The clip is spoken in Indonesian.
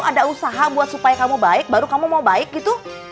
ada usaha buat supaya kamu baik baru kamu mau baik gitu